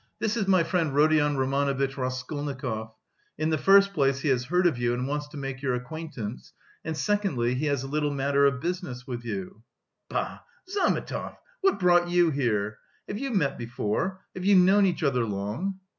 This is my friend Rodion Romanovitch Raskolnikov; in the first place he has heard of you and wants to make your acquaintance, and secondly, he has a little matter of business with you. Bah! Zametov, what brought you here? Have you met before? Have you known each other long?"